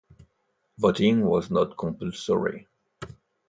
Voting was not compulsory.